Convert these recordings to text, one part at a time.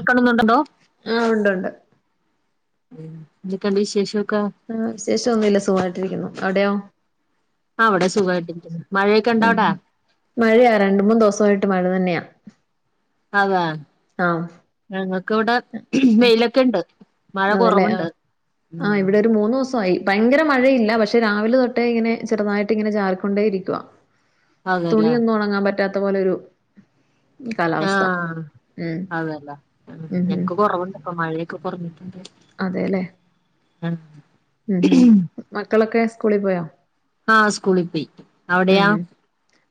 എക്കണൊന്നുണ്ടണ്ടോ ആഹ് ഉണ്ട് ഉണ്ട് ന്തൊക്കെണ്ട് വിശേഷമൊക്കെ ആഹ് വിശേഷംന്നുല്ല സുഖമായിട്ടിരിക്കുന്നു അവിടെയോ ആഹ് അവിടെ സുഖമായിട്ടിരിക്കുന്നു മഴയൊക്കെണ്ട അവിടാ മഴയ രണ്ട മൂന്ന് ദിവസമായിട്ട് മഴ തന്നെയാ അതാ ആഹ് ഞങ്ങൾക്കവിടെ മെയിലൊക്കെ ഉണ്ട് മഴ അതല്ലേ കുറവുണ്ട് ആഹ് ആഹ് ഉം ഇവിടെരു മൂന്ന് ദിവസയി ഭയങ്കര മഴയില്ല പക്ഷെ രാവിലെ തൊട്ടേ ഇങ്ങനെ ചെറുതായിട്ട് ഇങ്ങനെ ചാറിക്കൊണ്ടേ ഇരിക്കുവ അതെല്ലേ തുണിയൊന്നും ഉണങ്ങാൻ പറ്റാത്ത പോലെരു ആഹ് ഉം അതല്ല ഉം ഉം ഞങ്ങക്ക് കൊറവുണ്ട്പ്പൊ മഴയൊക്കെ കുറഞ്ഞിട്ടുണ്ട് അതെല്ലേ ആഹ് ഉം ഹം മക്കളൊക്കെ സ്കൂളിൽ പോയാോ ആഹ് സ്കൂളിൽ പോയി ഉം അവിടെയാ ഉം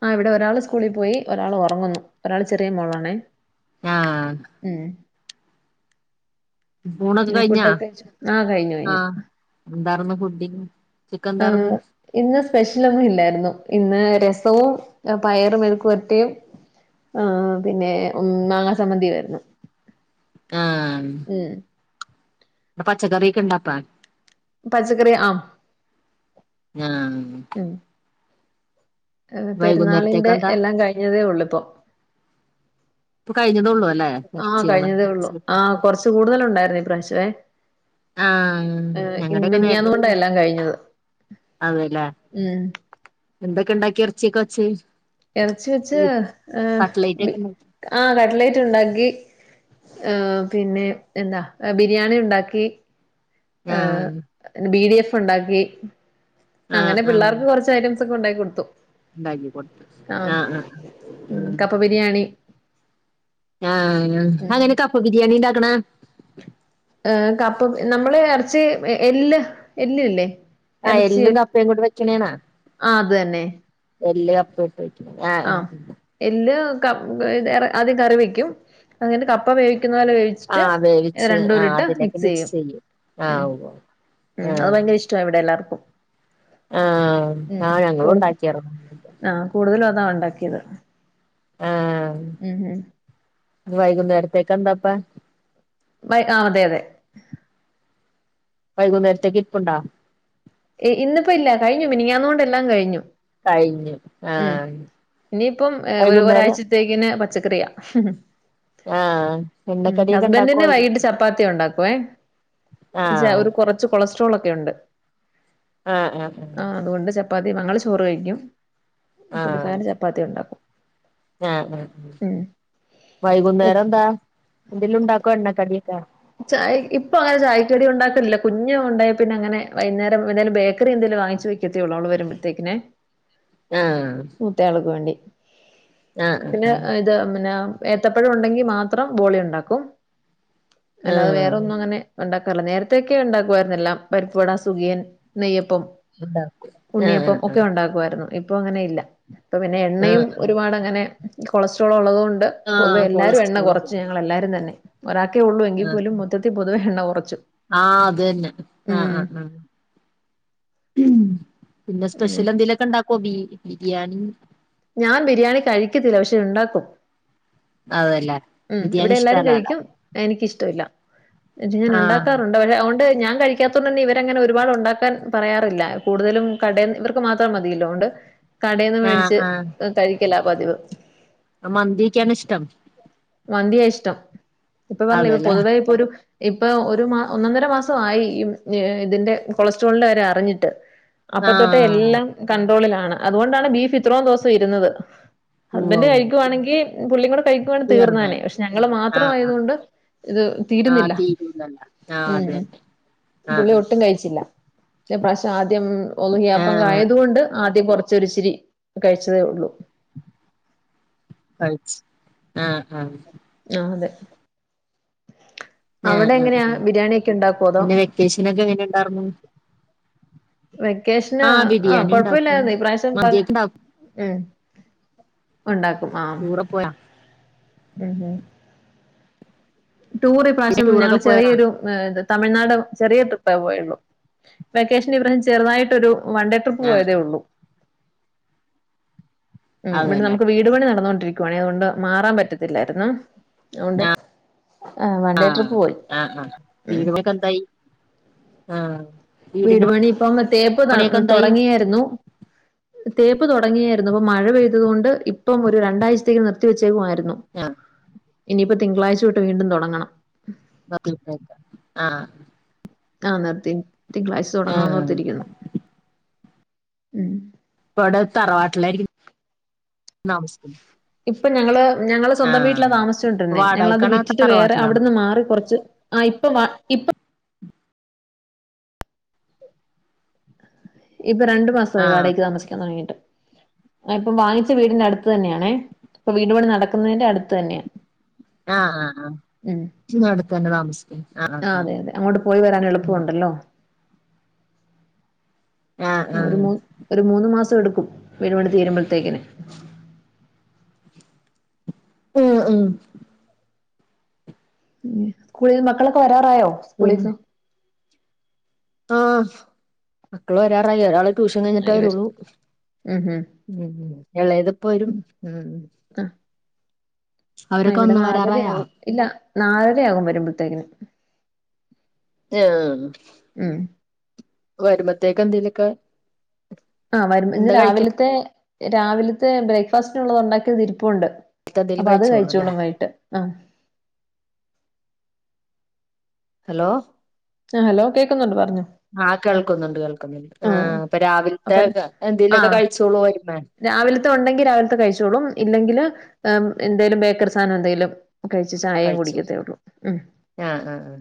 ആ ഇവിടെ ഒരാൾ സ്കൂളിൽ പോയി ഒരാൾ ഉറങ്ങുന്നു ഒരാൾ ചെറിയ മോളാണേ ആഹ് ഉം ഊണൊക്കെ ഇനി കഴിഞ്ഞാ ഫുഡൊക്കെ കഴിച്ചോ ആഹ് കഴിഞ്ഞു കഴിഞ്ഞു ആഹ് എന്തന്ന് ഫുഡി ആഹ് ഇന്ന് സ്പെഷ്യലൊന്നും ഇല്ലായിരുന്നു ഇന്ന് രസവും പയറും മെഴുക്ക് പെരട്ടിയും ആഹ് പിന്നെ ഉം മാാങ്ങാസമ്മന്തി വരുന്നു ആഹ് ഉം പച്ചക്കറിയൊക്കെ ഉണ്ടാപ്പാ പച്ചക്കറി ആഹ് ഉം ഹ് ഹ് വൈകുന്നേരത്തേക്ക് പെര്ന്നാളിന്റെ എന്താ എല്ലാം കഴിഞ്ഞെതേ ഒള്ള്പ്പോ ഇപ്പൊ കഴിഞ്ഞതേ ഉള്ളൂ അല്ലേ ആഹ് ഇറച്ചികള് കയ്ഞ്ഞതേ ഉള്ളൂ ഇറച്ചി ആഹ് കൊർച്ച് കൂട്തലുണ്ടായ്ര്ന്നു ഇപ്രാവശ്യമേ ആഹ് ഏഹ് ഇന്ന് മിൻഞ്ഞാന്ന് കൊണ്ടാ എല്ലാം കഴിഞ്ഞെത് അതേല്ലേ എന്തൊക്കെണ്ടാക്കി എറെച്ച്യൊക്കെ വെച്ച് എറെച്ചി വെച്ച് ബീഫ് ഏഹ് കട്ട്ലേറ്റ് ഒക്കെ ഉണ്ടാക്കി ആഹ് കട്ലേറ്റ്ണ്ടാക്കി ഏഹ് പിന്നെ എന്താ എഹ് ബിരിയാണി ഉണ്ടാക്കി ആഹ് ഏഹ് ബി ഡി എഫ് ഉണ്ടാക്കി ആഹ് അങ്ങെനെ പിള്ളാർക്ക് കാെർച് ച്ചയ്റ്റംസാെക്കെ ഉണ്ടാകി കൊട്ത്തു ണ്ടാക്കി കൊട്ത്ത് ആഹ് ആഹ് ഉം രിയാണി ആഹ് അ എങ്ങെനെ കപ്പ ബിര്യാണി ണ്ടാക്ക്ണെ ഏഹ് കപ്പ നമ്മള് എ എർച്ചി എല്ല് എല്ല്ല്ലേ ആഹ് എല്ലും കപ്പയും കൂടെ വെക്ക്ണേണാ ആഹ് അത് തന്നെ എല്ല് കപ്പ ഇട്ട് വെക്ക്ന്നെ ആഹ് ആഹ് എല്ല് ക ആദ്യം കറി വെക്കും അത് കയ്ട്ട് കപ്പ വേവിക്ക്ന്ന പോലെ വേവിച് ച്ച്ട്ട് ആഹ് വേവിച്ച് ആഹ് രണ്ടൂടിട്ട് അതിലേക്ക് മിക്സ് മിക്സെയ്യും ചെയ്യും ഉം ആഹ് ഉവ്വ് ഉം അത് ആഹ് ഭയങ്കര ഇഷ്ടാ ഇവിടെ എല്ലാർക്കും ആഹ് ആഹ് ഞങ്ങളും കൂടു ണ്ടാക്ക്യാർന്ന് ആഹ് കൂട്തലും അതാണോ ണ്ടാക്ക്യെത് ആഹ് ഉം ഹും ഇന്ന് വൈകുന്നേര്ത്തേക്കെന്താപ്പാ വയ് ആഹ് അതെ അതെ വയ്കുന്നേര്ത്തേക്ക് ഇര്പ്പുണ്ടാ ഇ ഇന്ന്പ്പ ഇല്ല കഴിഞ്ഞു മിനിയാന്ന് കൊണ്ട് എല്ലാം കഴിഞ്ഞു കഴിഞ്ഞു ഉം ആഹ് ഇനിയിപ്പം ഏഹ് ഒര് വൈകുന്നേരം ഒരാഴ്ച ത്തേക്ക്ന് പച്ചക്കറിയാ ആഹ് ഉം എണ്ണക്കടിയൊക്കെ ഹസ്ബന്റിന് ഉണ്ടാക്കുവായിരുന്നു വൈകിട്ട് ചപ്പാത്തി ഉണ്ടാക്കുവേ ച്ചാ ആഹ് ഒര് കാെറച്ച് കൊളസ്ട്രോളൊക്കെ ഒണ്ട് ആഹ് ആഹ് ആഹ് ആഹ് അത്കൊണ്ട് ചപ്പാത്തി ഞങ്ങള് ചോറ് കഴിക്കും ആഹ് പുള്ളിക്കാരന് ചപ്പാത്തി ഒണ്ടാക്കും ആഹ് ആഹ് അഹ് വൈകുന്നേരെന്താ എന്തേലുംണ്ടാക്കോ എണ്ണക്കട്യൊക്കെ ചായ് ഇപ്പൊ അങ്ങെനെ ചായ്ക്കടി ഉണ്ടാക്കലില്ല കുഞ്ഞ് ഉണ്ടായെ പിന്നങ്ങനെ വൈന്നേരം എന്തായാലും ബേക്കറി എന്തേലും വാങ്ങിച്ച് വെക് ക്കത്തേ ഒള്ളു അവെള് വര്മ്പത്തേക്ക്നേ ആഹ് മൂത്തയാൾക്ക് വേണ്ടി ആഹ് പിന്നെ ആഹ് ഇത് പിന്നാ ഏത്തപ്പഴം ഉണ്ടെങ്കി മാത്രം ബോളി ഉണ്ടാക്കും അല്ലാതെ ആഹ് വേറൊന്നും അങ്ങെനെ ഉണ്ടാക്കാറ്ല്ല നേരെത്തെയെക്കെ ഉണ്ടാക്കുവായ്ര്ന്ന് എല്ലാം പരിപ്പുവട സുഖിയൻ നെയ്യപ്പം ഉണ്ടാക്കും ആഹ് ഉണ്ണിയപ്പം ആഹ് ഒക്കെ ഉണ്ടാക്കുവായ്ര്ന്നു ഇപ്പൊ അങ്ങെനെ ഇല്ലാ അപ്പൊ പിന്നെ എണ്ണെയും ആഹ് ഒരുപാട് അങ്ങെനെ കൊളസ്ട്രോളൊള്ളെത് കൊണ്ട് ആഹ് പൊതുവെ എല്ലാരും എണ്ണ കൊളസ്ട്രോൾ അല്ലേ കാെറച്ച് ഞങ്ങള് എല്ലാരും തന്നെ ഒരാക്കെ ഒള്ളൂ എങ്കി ആഹ് പോലും മൊത്ത പൊതുവേ എണ്ണ കാെറച്ചു ആഹ് അത് തന്നെ ആഹ് ആഹ് ആഹ് പിന്നെ സ്പെഷ്യലെന്തേലൊക്കെ ണ്ടാക്കോ ബീഫ് ബിരിയാണീ ഞാൻ ബിരിയാണി കഴിക്കത്തില്ല പക്ഷെ ഇണ്ടാക്കും അതല്ലേ ഉം ബിരിയാണി ഇവിടെ എല്ലാരും ഇഷ്ടല്ലല്ലോ കഴിക്കും എനിക്കിഷ്ടമില്ല എജ് ഞാൻ ആഹ് ഉണ്ടാക്കാറുൻ [unintelligible] അതൊണ്ട് ഞാൻ കഴിക്കാത്തോണ്ട് തന്നെ ഇവരങ്ങനെ ഒരുപാട് ഉണ്ടാക്കാൻ പറയാറില്ല കൂടുതലും കടേൻ ഇവർക്ക് മാത്രം മതിയില്ലോ അതോണ്ട് കടേന്ന് ആഹ് മേടിച്ച് കഴിക്കല പതിവ് മന്തിയക്കേണ് ഇഷ്ടം മന്തിയ ഇഷ്ടം ഇപ്പൊ പറഞ്ഞതിലെ ഇപ്പൊ അതെല്ലേ പൊതുവെ ഇപ്പൊ ഒരു ഇപ്പൊ ഒരു മാ ഒന്ന ഒന്നര മാസോയി [unintelligible] ഇതിന്റെ കൊളസ്ട്രോളിന്റെ കാര്യം അറിഞ്ഞിട്ട് അപ്പ തൊട്ടേ ആഹ് എല്ലാം കൺട്രോളിലാണ് അതുകൊണ്ടാണ് ബീഫ് ഇത്രോം ദിവസം ഇരുന്നത് ഉവ്വ് ഹസ്ബണ്ട് ഉവ്വ് കഴിക്കുവാണെങ്കിൽ പുള്ളി കൂടെ കഴിക്കുവാണ തീർന്ന് തീർന്നാനെ പക്ഷെ ഞങ്ങള് ആഹ് മാത്രമായതു ആഹ് കൊണ്ട് ഇത് ആഹ് തീരുന്നില്ല തീരൂലല്ല ആഹ് ഉം അതന്നെ പുള്ളി ആഹ് ഒട്ടും കഴിച്ചില്ല പ്രാവശ്യം ആദ്യം ഉള്ഹിയ അപ്പം ആഹ് ആഹ് ആയതു കൊണ്ട് ആദ്യം കൊറച്ചൊരിച്ചിരി കഴിച്ചതേ ഉള്ളൂ [unintelligible] ആഹ് ആഹ് ആ അതെ ആഹ് അവിടെ ആഹ് എങ്ങനെയാ ആഹ് ബിരിയാണി ഒക്കെ ഉണ്ടാക്കുവോ അതോ പിന്നെ വെക്കേഷനൊക്കെ എങ്ങനെ ഉണ്ടാർന്നു വെക്കേഷന് ആഹ് ആഹ് ബിരിയാണി ഉണ്ടാക്കും കൊഴപ്പമില്ലാരുന്ന് ഈ പ്രാവശ്യം പ മന്തിയൊക്കെ ഉണ്ടാക്കും ഉം ഉണ്ടാക്കും ആഹ് ടൂറൊ പോയാ ഉം ടൂറ് ഈ പിന്നെ പ്രാവശ്യം ടൂറൊക്കെ ഞങ്ങള് പോയതാ ചെറിയൊരു തമിഴ്നാട് ചെറിയ ട്രിപ്പേ പോയുള്ളു വെക്കേഷൻ ഇവിടെന്ന്‌ ചെറുതായിട്ടൊരു വൺഡേ ടിപ്പ് ആഹ് പോയതേ ഉള്ളൂ ഉം, ഇവിടെ അതല്ലേ നമുക്ക് വീട് പണി നടന്നുകൊണ്ടിരിക്കുവാണേ അതുകൊണ്ട് മാറാൻ പറ്റത്തില്ലായിരുന്നു. അതുകൊണ്ട് ആഹ് ആ വൺ ഡേ ട്രിപ്പ് പോയി ആഹ് ആ വീടു പണി ഒക്കെ എന്തായി? ആഹ് വീടു വീടിന്റെ പണി ഇപ്പൊ അ തേപ്പ് പണിയൊക്കെ എന്തായി തുടങ്ങിയായിരുന്നു തേപ്പ് തുടങ്ങിയായിരുന്നു പ്പ മഴ പെയ്തത് കൊണ്ട് ഇപ്പം ഒരു രണ്ടാഴ്ചത്തേക്ക് നിർത്തിവച്ചേക്കുവായിരുന്നു [unintelligible] ഇനിയിപ്പ തിളാഴ്ച തൊട്ട് വീണ്ടും തുടങ്ങണം ന്ന പിന്നെ ആക്ക ആഹ് ആഹ് നിർത്തി തിങ്കളാഴ്ച തുടങ്ങണംന്ന് ആഹ് ഓർത്തിരിക്കുന്നു. ഉം ഇവിടെ തറവാട്ടിലായിരിക്ക താമസം ഇപ്പൊ ഞങ്ങള് ഞങ്ങള് സ്വന്തം വീട്ടിലാ താമസിച്ചുകൊണ്ടിരുന്നേ ഞങ്ങളത് വാടകക്കാണോ വിറ്റിട്ട് വേറെ തറവാട്ടിലാണോ അവിടുന്ന് മാറി കുറച്ച് ആ ഇപ്പൊ വ ഇപ്പൊ ഇപ്പൊ രണ്ടു മാസമായി ആഹ് വാടകക്ക് താമസിക്കാൻ തുടങ്ങിട്ട് ആ ഇപ്പം വാങ്ങിച്ച വീടിന്റെ അടുത്ത് തന്നെയാണേ ഇപ്പൊ വീടുപണി നടക്കുന്നതിന്റെ അടുത്ത് തന്നെയാ ആഹ് ആഹ് ഉം ആഹ് നടുത്ത് തന്നെ താമസിക്കണെ ആഹ് ആഹ് ആ ആഹ് അതെ അതെ അങ്ങോട്ട് പോയി വരാൻ എളുപ്പമുണ്ടല്ലോ ആഹ് ആ ആഹ് ഒരു ആഹ് മൂ ഒരു മൂന്ന് മാസം എടുക്കും വീടുപണി തീരുമ്പോഴത്തേക്കിന് ആഹ് ആഹ് സ്കൂളിൽ മക്കളൊക്കെ വരാറായോ പിന്നെ സ്കൂളിൽന്ന് ആഹ് മക്കള് വരാറായി ഒരാള് ട്യൂഷൻ കഴിഞ്ഞിട്ടെ ഇവര് വരുള്ളൂ ഉം എളേത് ഇപ്പൊ വരും ഉം ആ ആ അവരൊക്കെ ഇവിടെ വന്ന് വരാറായാ നാലരയാകും ഇല്ല നാലരയാകും വരുമ്പോഴത്തേക്കിന് ആഹ് ഉം വരുമ്പോത്തേക്കെ എന്തലൊക്കെ ആഹ് വരു ഇന്ന് രാവിലത്തെ രാവിലത്തെ ബ്രേക്ക്ഫാസ്റ്റിനുള്ളത് ഉണ്ടാക്കിയത് ഇരിപ്പുണ്ട് എന്തേലും അപ്പൊ അത് കഴിച്ചോളൂ അല്ലേ കഴിച്ചോളും വൈയിട്ട് ആഹ് ഹലോ ആഹ് ഹലോ കേക്കുന്നുണ്ട് പറഞ്ഞു ആഹ് കേൾക്കുന്നുണ്ട് കേൾക്കുന്നണ്ട് ആഹ് അപ്പൊ രാവിൽത്തെ അപ്പൊ ആ എന്തേങ്കലൊക്കെ കഴിച്ചോളൂ വരുമേ രാവിലത്തെ ഒണ്ടെങ്കി രാവിലത്തെ കഴിച്ചോളും ഇല്ലെങ്കില് അം എന്തേലും ബേക്കർ സാനം എന്തേലും കഴിച്ച് ചായേറ കഴിച്ചു കുടിക്കത്തേ ഒള്ളൂ ഉം ആഹ് ആഹ് ആഹ്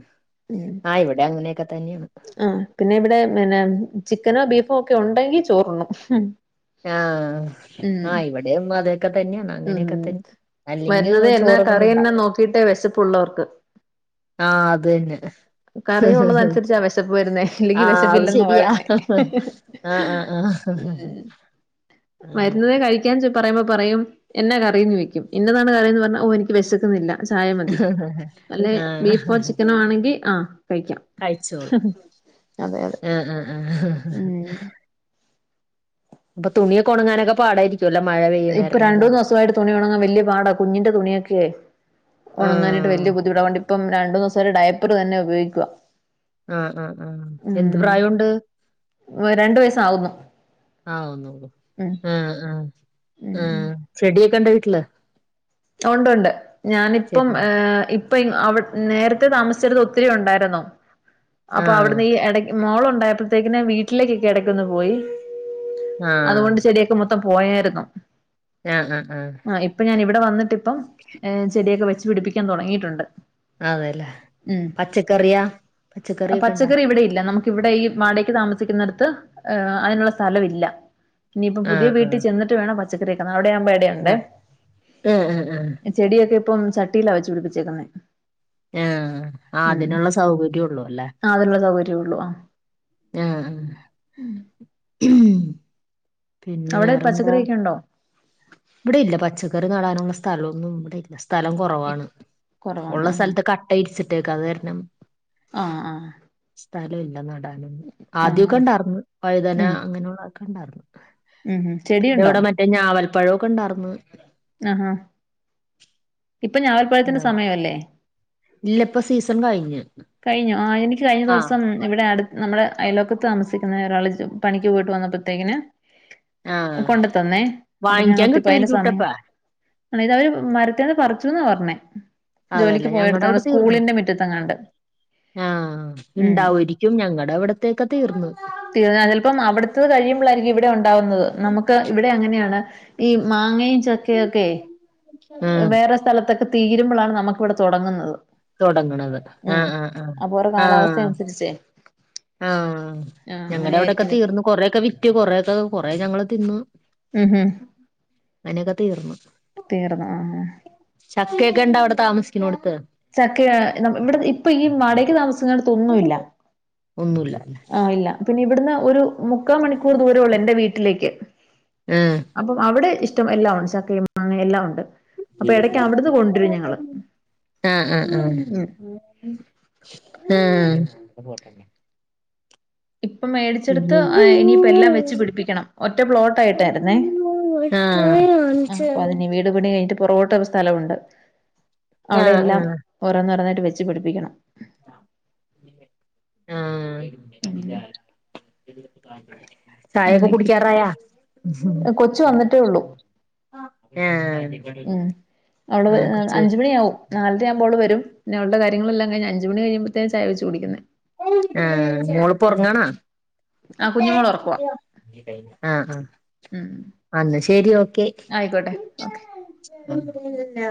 ഉം ആഹ് ഇവടെ അങ്ങനെക്കെ തന്ന്യാ ആഹ് പിന്നെ ഇവിടെ പിന്നെ ചിക്കനോ ബീഫോ ഒക്കെ ഒണ്ടെങ്കി ചോറുണം ഹും ആഹ് ആഹ് ഇവിടെയും അതൊക്കെ തന്ന്യാണ് ഉം അങ്ങനെയൊക്കെ തന്നെ അല്ലെങ്കേ ചോറൊന്നും ഇണ്ടാ പുള്ളേർക്ക് ആഹ് അതന്നെ കറിയുള്ളതനുസരിച്ചാ വിശപ്പ് വരുന്നേ അല്ലെങ്കി വിശപ്പില്ലെന്നോ പറുന്നേ ആഹ് ആഹ് ആഹ് ഉം ആഹ് മരുന്നതേ കഴിക്കാൻ പറയുമ്പോ പറയും എന്നാ കറീന്നോയ്ക്കും ഇന്നതാണ് കറീന്ന് പർഞ്ഞാ ഓഹ് എന്ക്ക് വെശക്ക്ന്നില്ല ചായ മതി അല്ലെ ബീഫോ ആഹ് ചിക്കനോ ആണെങ്കി ആഹ് കഴിക്കാം കഴിച്ചോളും അതെ അതെ ആഹ് ആഹ് ആഹ് ഉം അപ്പൊ തുണിയൊക്കൊണങ്ങാനൊക്കെ പാടായിര് കൂല്ല മഴ പെയ് ഇപ്പൊ രണ്ടൂന്നൂസായിട്ട് തുണി ഒണങ്ങാൻ വല്ല്യ പാടാ കുഞ്ഞിന്റെ തുണിയൊക്കെ ഒണങ്ങാന് ട്ട് ആഹ് വല്ല്യ ബുദ്ധിമുട്ട ഓണ്ടിപ്പം രണ്ടൂന്നൂസായിട്ട് ഡയപ്പർ തന്നെ ഉപയോഗിക്ക്വ ആഹ് ആഹ് ആഹ് എന്ത് പ്രായൊണ്ട് രണ്ടു വയസ്സ് ആവുന്നു ആന്നോ ആഹ് ആഹ് ആ ഉം ചെടിയൊക്കണ്ട വീട്ട്ല്ല് ഒണ്ടൊണ്ട് ഞാനിപ്പം ചെടി ഏഹ് ഇ പ്പ ഇങ് അവ് നേര്ത്തെ താമസിച്ചര്ന്നെ ഒത്തിരി ഒണ്ടായിര്ന്നു അപ്പൊ ആഹ് അവിട്ന്ന് ഈ എടെ മോളൊണ്ടായ്പ്പത്തേക്കിന് വീട്ടിലേക്കെക്കെ എടക്കൊന്ന് പോയി ആഹ് അതുകൊണ്ട് ചെടിയൊക്കെ മൊ ത്തം പോയാര്ന്നു ആഹ് ഹ ഹ ആഹ് ഇപ്പൊ ഞാൻ ഇവടെ വന്നിട്ട് ഇപ്പം ഏഹ് ചെടിയൊക്കെ വെച്ച് പിടിപ്പിക്കാൻ തൊടങ്ങീട്ടൊണ്ട് അതെല്ലേ പച്ചക്കറിയാ പച്ചക്കറിയൊക്കെണ്ടാ പച്ചക്കറി ഇവിടെ ഇല്ല നമ് ഇവിടെ ഈ വാടക്ക് താമസിക്ക്ന്നെടത്ത് ഏഹ് അയ്നൊള്ള സലവില്ല ഇനിപ്പം പുതിയ ആഹ് വീട്ടിൽ ആഹ് ചെന്നിട്ട് വേണം പച്ചക്കറ്യെക്കെ അവ്ടെയാമ്പോ എടെയൊണ്ടെ ഉം ഉം ഉം ചെടിയൊക്കെ ഇപ്പം ചട്ടീല വെച്ച് പിടിപ്പിച്ചേക്കുന്നെ ആഹ് ആഹ് അതിനൊള്ള സൗകര്യൊള്ളൂ അല്ലേ അതിനൊള്ള സൗകര്യേ ഒള്ളൂ ആഹ് ഉം അവടെ പച്ചക്കറ്യൊക്കെ ഒണ്ടോ ഇവടേല്ല പച്ചക്കറി നടാനൊള്ള സ്ഥലോന്നും ഇവടെല്ല സ്ഥലം കൊറവാണ് കുറവാണ് ഒള്ള ആഹ് സ്ഥൽത്ത് ക ട്ട വിരിച്ചിട്ടേക്കാ അത് കാരണം ആഹ് ആഹ് സ്ഥലൊല്ല നടാന് ആഹ് ആദ്യൊക്കെ ഇണ്ടാർന്ന് വഴുതന അങ്ങനൊള്ള കണ്ടാർന്നു ഉംഹും ചെടിയുണ്ടോ ഞാവൽപ്പഴമൊക്കെണ്ടാർന്ന്. ആഹാ ഇപ്പം ഞാവൽപ്പഴത്തിന്റെ ആഹ് സമയവല്ലേ? ഇല്ല ഇപ്പൊ സീസൺ കഴിഞ്ഞ് കഴിഞ്ഞൊ, ആഹ് എനിക്ക് കഴിഞ്ഞ ആഹ് ദിവസം ഇവിടെ അടു നമ്മടെ അയലോക്കത്ത് താമസിക്കുന്ന ഒരാൾ പണിക്ക് പോയിട്ട് വന്നപ്പത്തേക്കിന് ആഹ് കൊണ്ട് ത്തന്നേ. അപ്പം വാങ്ങിക്കാൻ ഞാനോർത്തു ഇപ്പയ്ന്റെ കിട്ടുമായിരിക്കും സമയം കുട്ടപ്പ ആഹ് ഇതവര് മരത്തീന്ന് പറിച്ചൂന്ന പർഞ്ഞേ. അതെല്ലേ ഞങ്ങടെ ഇവിടെ തീർന്നു. മുറ്റത്തെങ്ങാണ്ട് ആഹ്. ഉം ഇണ്ടാവാരിക്ക്യും, ഞങ്ങടെ ഇവടത്തേയൊക്കെ തീർന്ന്. തീർന്ന് ആഹ് ചെൽപ്പം അവിടുത്തത് കഴിയുമ്പളായിരിക്കും ഇവിടെ ഉണ്ടാവുന്നത് നമുക്ക് ഇവിടെ അങ്ങനെയാണ്. ഈ മാങ്ങയും ചക്കയൊക്കെ ആഹ് വേറെ സ്ഥലത്തൊക്കെ തീരുമ്പളാണ് നമുക്കിവിടെ തുടങ്ങുന്നത്. തൊടങ്ങ്ണത് ആഹ് ആആ. ഓരോ കാലാവസ്ഥ ആഹ് അനുസരിച്ചേ ആഹ്. ആഹ് ഞങ്ങടെ അവിടൊക്കെ അങ്ങനെയായിരിക്കും ചെലപ്പോ തീർന്ന് കൊറെയൊക്കെ വിറ്റ്, കൊറെയൊക്കെ കൊറെ ഞങ്ങള് തിന്ന്. ഉം ഉം അങ്ങനൊക്കെ തീർന്ന്. തീർന്ന് ആഹ് ചക്കയൊക്കെ ഉണ്ടാ അവിടെ താമസിക്ക്ണോട്ത്ത്? ചക്കയാ നമ് ഇവടെ ഇപ്പൊ ഈ മാടകയ്ക്ക് താമസിക്കുന്നോട്ത്തൊന്നു ഇല്ല. ഒന്നുല്ല. ആഹ് ഇല്ല പിന്നെ ഇവട്ന്ന് ഒരു മുക്കാ മണിക്കൂർ ദൂര ഒള്ളൂ എന്റെ വീട്ടിലേക്ക്. ആഹ്. അപ്പം അവിടെ ഇഷ്ടം എല്ലാം ഉണ്ട് ചക്കയും മാങ്ങയും എല്ലാം ഉണ്ട്. അപ്പൊ ഇടയ്ക്ക് അവിടുന്ന് കൊണ്ടുവരും ഞങ്ങള് ആഹ് ആഹ് ഉം ആഹ് ആഹ് ഇപ്പൊ മേടിച്ചെടുത്ത് പിന്നെ ഇനിയിപ്പ എല്ലാം വെച്ച് പിടിപ്പിക്കണം ഒറ്റ പ്ലോട്ടായിട്ടായിരുന്നേ ആ ആഹ്. അപ്പൊ അതിന് വീട് പണി കഴിഞ്ഞിട്ട് പുറകോട്ടൊരു സ്ഥലവുണ്ട്. അവിടെ ആഹ് എല്ലാം ആഹ് ഓരോന്ന് ഓരോന്നായിട്ട് വെച്ച് പിടിപ്പിക്കണം. ഉം ആഹ്. ചായൊക്കെ അങ്ങനെയൊക്കെ ഇരിക്കുന്നു കുടിക്കാറായാ? കൊച്ചു വന്നിട്ടേ ഉള്ളൂ ആഹ് ഉം അവിടെ ആഹ് കൊച്ച് അഞ്ചുമണിയാവും. നാലര ആവുമ്പം അവള് വരും. പിന്നെ അവൾടെ കാര്യങ്ങളെല്ലാം കഴിഞ്ഞ് അഞ്ച് മണി കഴിയുമ്പ ആഹ് മോള് പ്പൊറങ്ങാണാ? ആ കുഞ്ഞുമോള് ഉറക്കവാ ആഹ് ആഹ് ഉം അന്ന് ശരി ഓക്കെ. ആയിക്കോട്ടെ ഓക്കെ. ല്ല